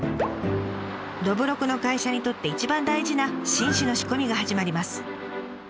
どぶろくの会社にとって一番大事な新酒の仕込みが始まります。